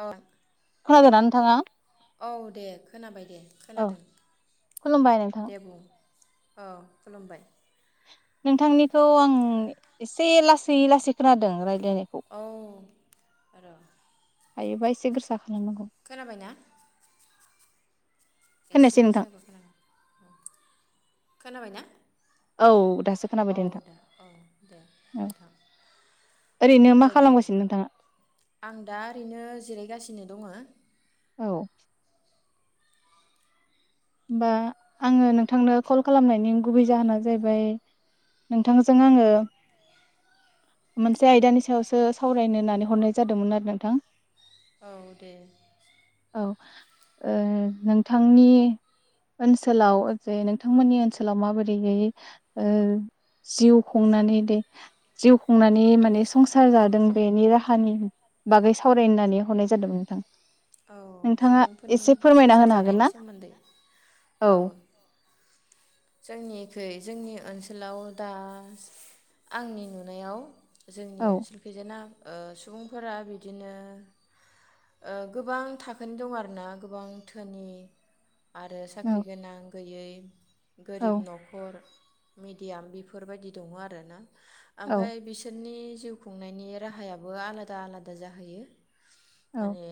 अ। थागोरान थाङा। औ दे खोनाबाय दे औ खोनादों खुलुमबाय नोंथां दे बुं। अ खुलुमबाय। नोंथांनिखौ आं एसे लासै लासै खोनादों राय औ आरो हायोबा एसे गोसा खालामनांगौ खोनाबायना? एसे खोनायासै नोंथां गोसा होबा खोनागोन। खोनाबाय ना? औ दासो खोनाबाय औ नोंथां दे औ दे औ नोंथां ओरैनो मा दे बुं खालामगासिनो नोंथाङा? आं दा ओरैनो जिरायगासिनो नो [unintelligible] औ होमबा आङो नोंथांनो कल खालामनायनि गुबै जाहोना जाहैबाय नोंथांजों आङो मोनसे आयदानि सायावसो सावरायनो होननानै हरनाय जादोंमोन आरो नोंथां। औ दे औ ओ नोंथांनि ओनसोलाव जे नोंथांमोननि ओनसोलाव माबोरैयै ओ जिउ खुंनानै दे जिउ खुंनानै माने संसार जादों बेनि राहानि बागै सावरायनो होननानै हरनाय जादोंमोन नोंथां। औ नोंथाङा सुबुंफोरनि एसे फोरमायना संसार होनो हागोन जानायनि ना सोमोन्दै औ जोंनिखै जोंनि ओनसोलाव दा आंनि नुनायाव जोंनि औ ओनसोलखैजाना ओ सुबुंफोरा बिदिनो ओ गोबां थाखोनि दं आरो ना गोबां धोनि आरो साख्रि औ गोनां गैयै औ गोरिब न'खर मेडियाम बेफोरबायदि दङ आरो औ ओमफाय बिसोरनि जिउ खुंनायनि राहायाबो आलादा आलादा जाहैयो। औ माने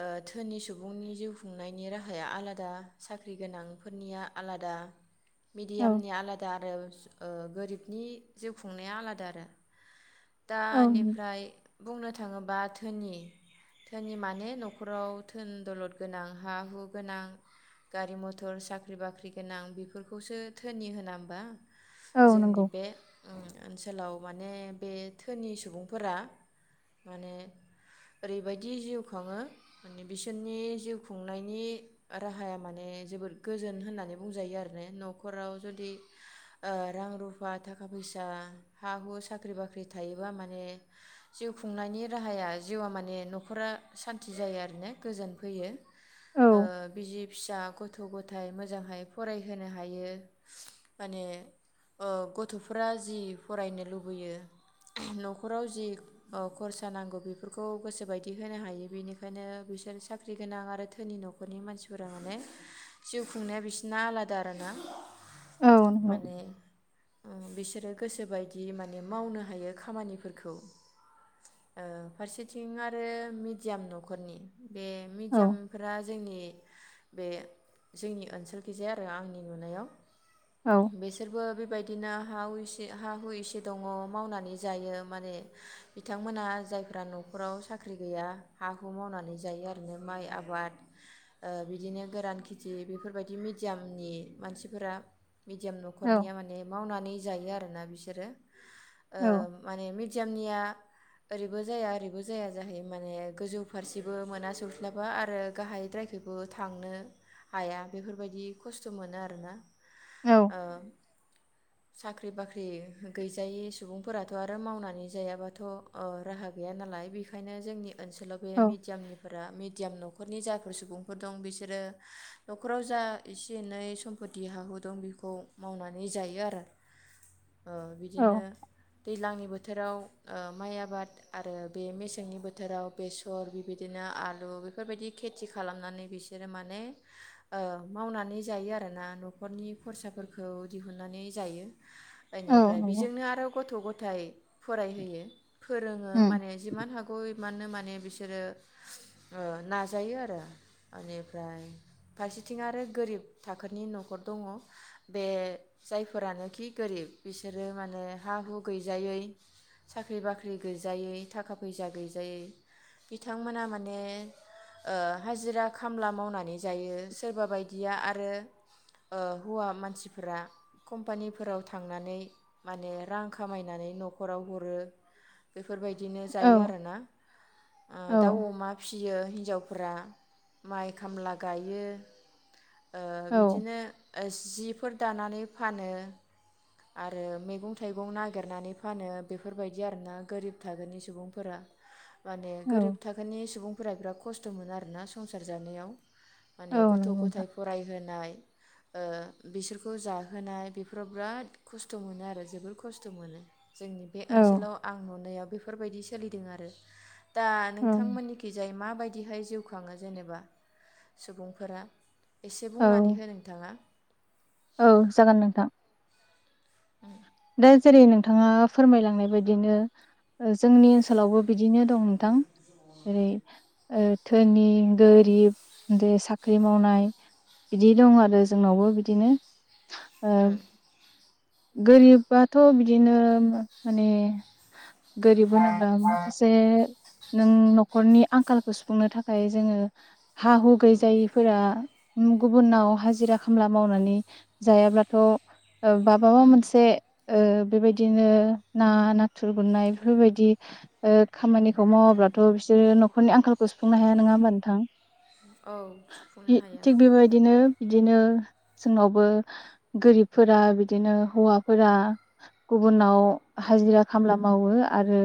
ओ धोनि सुबुंनि जिउ खुंनायनि राहाया आलादा साख्रि गोनांफोरनिया आलादा औ मिडियामनि आलादा आरो ओ गोरिबनि जिउ खुंनाया आलादा आरो औ दानिफ्राय बुंनो थाङोबा धोनि धोनि मान माने न'खराव धोन दौलद गोनां हा हु गोनां गारि मथर साख्रि बाख्रि गोनां बेफोरखौसो धोनि होना होमबा? औ जोंनि नंगौ बे ओनसोलाव माने बे धोनि सुबुंफोरा माने ओरैबायदि जिउ खाङो माने बिसोरनि जिउ खुंनायनि राहाया माने जोबोद गोजोन होननानै बुंजायो आरो ने न'खराव जुदि ओ रां रुफा थाखा फैसा हा हु साख्रि बाख्रि थायोबा माने जिउ खुंनायनि राहाया जिउआ माने न'खरा सान्थि जायो आरो ने गोजोन फैयो। ओ औ बिजि फिसा गथ' गथायाइ मोजांहाय फरायहोनो हायो माने ओ गथ'फोरा जि फरायनो लुबैयो न'खराव जि ओ खरसा नांगौ बेफोरखौ गोसोबायदि होनो हायो। बिनिखायनो बिसोर साख्रि गोनां आरो धोनि न'खरनि मानसिफोरा माने जिउ खुंनाया बिसोरना आलादा आरोना। औ नंगौ माने ओ बिसोरो गोसोबायदि माने मावनो हायो खामानिफोरखौ ओ फारसेथिं आरो मित दियाम न'खरनि बे औ मिदियाम फोरा जोंनि बे जोंनि ओनसोलखिजाय आरो आंनि नुनायाव औ बेसोरबो बे बेबायदिनो हाहुइसे हा हु इसे दङ मावनानै जायो माने बिथांमोनहा जायफ्रा न'खराव साख्रि गैया हाखौ मावनानै जायो आरोना माइ आबाद ओ बिदिनो गोरान खेथि बेफोरबायदि मिदियामनि मानसिफोरा मिदियाम औ न'खरनिया माने मावनानै जायो आरोना बिसोरो। ओ औ माने मिदियाम जोंनिया ओरैबो जाया ओरैबो जाया जाहैयो माने। गोजौ फारसेबो मोना सौस्लाबा आरो गाहायद्रायखैबो थांनो हाया बेफोरबायदि खस्थ' मोनो आरोना। औ। साख्रि बाख्रि गैजायै सुबुंफोराथ' आरो मावनानै जायाबाथ' ओ राहा गैया नालाय बेखायनो जोंनि ओनसोलाव बे मिदियामनिफोरा मिदियाम न'ख न'खरनि जाफोर सुबुंफोर दं बिसोरो न'खराव जा एसे एनै सम्पति हाहु दं बेखौ मावनानै जायो आरो। ओ औ बिदिनो दैज्लांनि बोथ बोथोराव ओ माइ आबाद आरो बे मेसेंनि बोथोराव बेसर बिबायदिनो आलु बेफोरबायदि खेथि खालामनानै बिसोरो माने ओ मावनानै जायो आरोना न'खरनि खरसाफोरखौ दिहुननानै जायो। औ बेनिफ्राय नंगौ बेजोंनो आरो गथ' गथाय फरायहोयो फोरोङो उम माने जिमान हागौ इमाननो माने बिसोरो ओ नाजायो आरो एनिफ्राय फारसेथिं आरो गोरिब थाखोनि न'खर दङ बे जायफोरानोखि गोरिब बिसोरो माने हा हु गैजायै साख्रि बाख्रि गैजायै थाखा फैसा गैजायै। बिथांमोना माने ओ हाजिरा खामला मावनानै जायो सोरबा बायदिया आरो ओ हौवा मानसिफोरा कम्पानिफोराव थांनानै माने रां खामायनानै न'खराव हरो बे बेफोरबायदिनो औ जायो आरोना। आ औ दउ अमा फिस फिसियो हिन्जावफोरा माइ खामला गायो। ओ औ बिदिनो ओस जिफोर दानानै फानो। आरो मैगं-थाइगं नागिरनानै फानो बेफोरबायदि आरोना गोरिब थागोनि सुबुंफोरा। माने औ गोरिब थाखोनि सुबुं फोरा बिराद खस्थ'मोनो आरोना संसार जानायाव। माने औ नंगौ नोंथां गथ'-गथाय फरायहोनाय ओ बिसोरखौ जाहोनाय बेफोराव बिराद खस्थ' मोनो आरो जोबोर खस्थ' मोनो। जोंनि बे औ ओनसोलाव आं नुनायाव बेफोरबायदि सोलिदों आरो। दा औ नोंथांमोननिखि जाय मा बायदिहाय जिउ खाङो जेनेबा सुबुंफोरा? एसे औ बुंनानै हो नोंथाङा। औ जागोन नोंथां। [inaudible] दा जेरै नोंथाङा फोरमायलांनाय बायदिनो जोंनि ओनसोलावबो बिदिनो दं नोंथां। जेरै- ओ धोनि गोरिब देस साख्रि मावनाय बिदि दं आरो जोंनावबो बिदिनो ओ गोरिबाथ' बिदिनो मा-माने गोरिब होनोब्ला माखासे नों न'खरनि आंखालखौ सुफुंनो थाखाय जोङो हा हु गैजायिफोरा मु गुबुनाव हाजिरा खामला मावनानै जायाब्लाथ' ओ माबा मोनसे ओ बेबायदिनो ना, नाथुर गुरनाय बेफोरबायदि ओ खामानिखौ मावाब्लाथ' बिसोरो न'खरनि आंखालखौ सुफुंनो हाया नङा होमबा नोंथां? औ सुफुंनो बि हायो थिग बेबायदिनो बिदिनो जोंनावबो गोरिबफोरा बिदिनो हौवाफोरा गुबुनाव हाजिरा खामला मावो आरो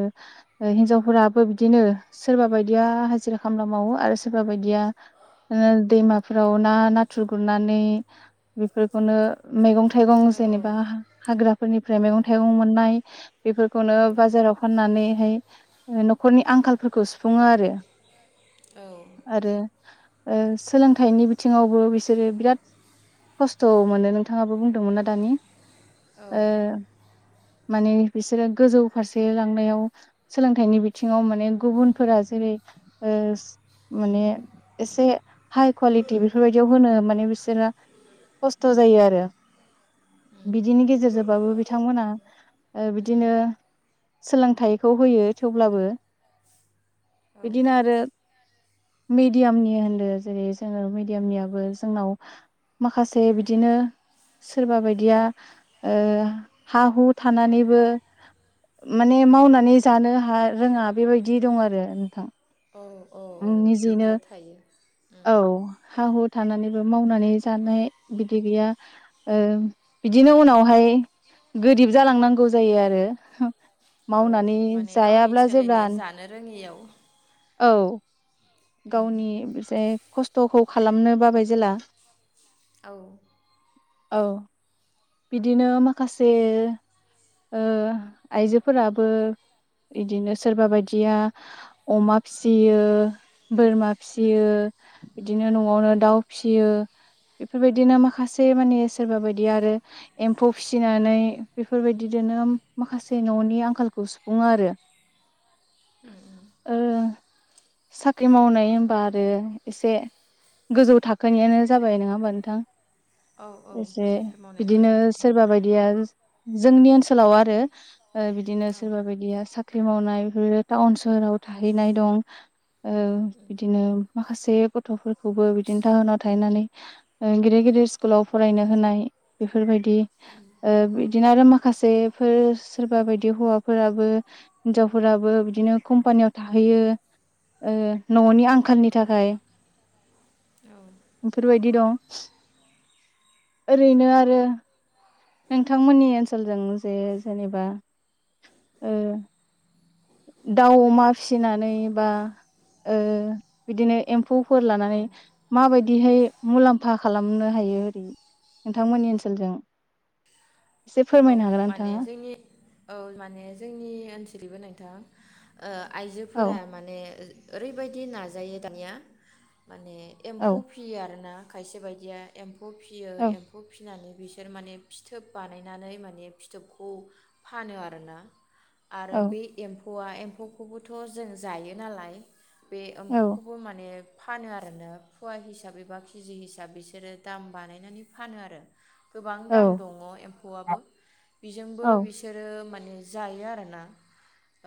ओ हिन्जावफोराबो बिदिनो सोरबा बायदिया हाजिरा खामला मावो आरो सोरबा बायदिया ओ दैमाफोराव ना नाथुर गुरनानै बेफोरखौनो मैगं थाइगं औ जेनेबा हाग्राफोरनिफ्राय औ मैगं थाइगं मोननाय बेफोरखौनो औ बाजाराव फाननानै हाय न'खरनि आंखालफोरखौ सुफुङो आरो। औ आरो ओ सोलोंथाइनि बिथिङावबो बिसोरो बिराद खस्थ' मोनो नोंथाङाबो बुंदोंमोनना दानि औ ओ माने बिसोरो गोजौ फारसे लांनायाव सोलोंथाइनि बिथिङाव माने गुबुनफोरा जेरै ओस माने एसे हाइ कुवालिटि बेफोरबायदियाव होनो माने बिसोरा खस्थ' जायो आरो। बिदिनि गेजेरजोंबाबो बिथांमोना ओ बिदिनो सोलोंथाइखौ होयो थेवब्लाबो बिदिनो आरो मिडियामनि होनदो जेरै जोङो मिडियामनियाबो जोंनाव माखासे बिदिनो सोरबा बायदिया ओ हा हु थानानैबो माने मावनानै जानो हा रोङा बेबायदि दं आरो नोंथां। औ औ उम निजेनो बिदिया थायो औ हाहु थानानैबो मावनानै जानाय बिदि गैया ओ बिदिनो उनावहाय गोरिब जालांनांगौ जायो आरो औ मावनानै माने गावनि जायाब्ला जेब्ला सोलिनो जानो रोङियाव औ गावनि बेसे खस्थ'खौ खालामनो बाबाय जेला औ औ बिदिनो माखासे ओ आइजोफोराबो बिदिनो सोरबा बायदिया अमा फिसियो बोरमा फिसियो बिदिनो न'आवनो दाउ फिसियो बेफोरबायदिनो माखासे माने सोरबा बायदिया आरो एम्फौ फिसिनानै बेफोरबायदिजोंनो माखासे न'नि आंखालखौ सुफुङो आरो ओ साख्रि मावनाय होनबा आरो एसे गोजौ थाखोनियानो जाबाय नङा होमबा नोंथां? औ औ एसे साख्रि मावनाय बिदिनो गोजौ थाखोनि सोरबा बायदिया जोंनि ओनसोलाव आरो ओ बिदिनो औ सोरबा बायदिया सा ख्रि मावनाय बेफोर टाउन सोहोराव थाहैनाय दं ओ बिदिनो माखासे गथ'फोरखौबो बिदिनो टाउनाव थाहैनानै ओ गेदेर गेदेर स्कुलाव फरायनो होनाय बेफोरबायदि ओ बिदिनो आरो माखासेफोर सोरबा बायदि हौवाफोराबो हिनजावफोराबो बिदिनो कम्पानियाव थाहैयो ओ न'नि आंखालनि थाखाय औ बेफोरबायदि दं ओरैनो आ [unintelligible] नोंथांमोननि ओनसोलजों जे जेनेबा ओ दाउ अमा फिसिनानै बा ओ बिदिनो एम्फौ फोर औ लानानै माबाय बिदिहाय मुलाम्फा खालामनो हायो ओरै नोंथांमोननि ओनसोलजों? एसे औ फोरमायनो हागोन माने नोंथाङा जोंनि औ माने जोंनि ओनसोल [unintelligible] नोंथां ओ औ आइजोफोरा माने ओ ओरैबायदि नाजायो दानिया माने औ एम्फौ फियो आरो ना खायसे बायदिया एम फौ फियो औ एम्फौ फिनानै बिसोर माने फिथोब बानाय नानै माने फिथोबखौ फानो आरोना आरो औ बे एम फौवा एम्फौखौबोथ' जों जायो नालाय बे औ एम्फौखौबो माने फानो आरोना फवा हिसाबै एबा केजि हिसाब बिसोरो दाम बानायनानै फानोआरो गोबां दाम औ दङ एम फौआबो बिजोंबो औ बिसोरो ओ माने जायो आरोना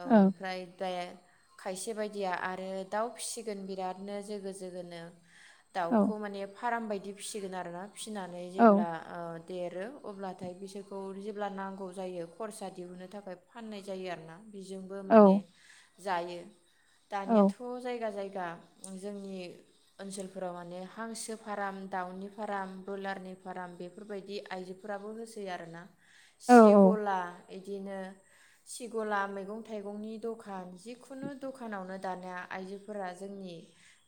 औ ओमफ्राय दा खायसे बायदिया आरो दाउ फिसिगोन बिरादनो जोगो जोगोनो औ दाउखौ माने फार्म बायदि फिसिगोन आरो ना फिनानै औ जेब्ला ओ देरो अब्ला नाथाय बिसोरखौ जेब्ला नांगौ जायो खरसा दिहुनो थाखाय फाननाय जायो आरो ना बेजोंबो माने औ जायो औ दानियाथ' जायगा जायगा दा जोंनि ओनसोलफोराव माने हांसो फार्म, दाउनि फार्म, ब्रयलारनि फार्म बेफोरबायदि आइजोफोराबो होसै होयो आरो ना औ सिगला इदिनो सिगला मैगं थाइगंनि दखान जिखुनु दखानावनो दानिया आइजोफोरा जोंनि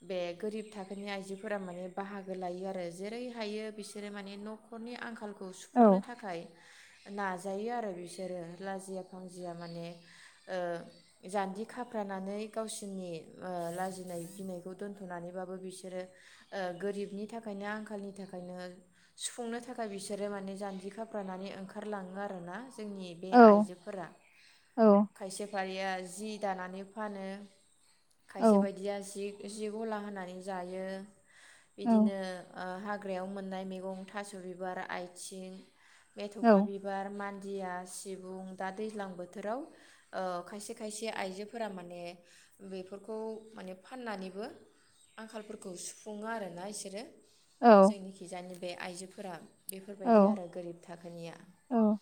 बे गोरिब थाखोनि आइजोफोरा माने बाहागो लायो आरो जेरै हायो बिसोरो माने न'खरनि आंखालखौ सुफुंनो औ थाखाय नाजायो आरो बिसोरो लाजिया फांजिया माने ओ जान्जि खाफ्रानानै गावसोरनि ओ लाजिनाय गिनायखौ दोनथ'नानैबाबो बिसोरो गोरिबनि थाखायनो आंखालनि थाखायनो सुफुंनो थाखाय बिसोरो माने जान्जि जान्जि खाफ्राना ओंखारलाङो आरो ना जोंनि बे औ आइजोफोरा औ खायसे [unintelligible] या जि दानानै फानो खायसे औ बायदिया जिग जि गला होनानै जायो बिदिनो ओ हाग्रायाव मोननाय मेगं थास' बिबार आथिं मेथ'खा बिबार मान खुन्दिया सिबुं दा दैज्लां बोथोराव ओ खायसे खायसे आइजोफोरा माने बेफोरखौ माने फाननानैबो आंखालफोरखौ सुफुङो आरोना इसोरो। औ जोंनिखिजाय बे आइजोफोरा बेफोरबायदि आरो गोरिब थाखोनिया औ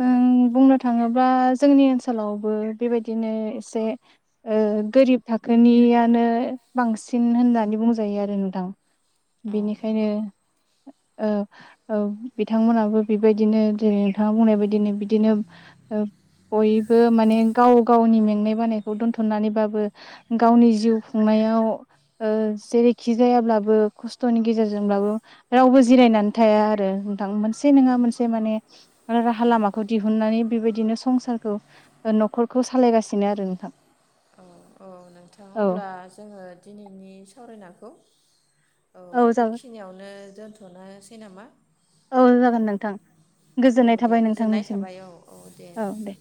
जों बुंनो थाङोब्ला जोंनि ओनसोलावबो बेबायदिनो एसे ओ गोरिब थाखोनियानो बांसिन होननानै बुंजायो आरो नोंथां औ बेनिखायनो ओ औ बिथांमोनाबो बिबायदिनो जेरै नोंथाङा बुंनाय बेदिनो बिदिनो ओ बयबो माने गाव गावनि मेंनाय बानायखौ दोनथनानै बाबो गावनि जिउ खुंनायाव ओ जेरैखि जायाब्लाबो खस्थनि गेजेरजोंब्लाबो रावबो जिरायनानै थाया आरो नोंथां मोनसे नङा मोनसे माने राहा हा लामाखौ दिहुननानै बेबायदिनो संसारखौ नखरखौ सालायगासिनो आरो नोंथां अ नोंथां औ अब्ला जोङो दिनैनि सावरायनाखौ औ बेखिनियावनो दोन थनोसै नामा? औ जागोन नोंथां औ गोजोननाय दे थाबाय नोंथांनि गोजोननाय सिम थाबाय औ औ औ दे